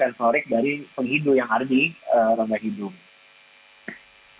saraf sensorik dari penghidu yang ada di rongga hidung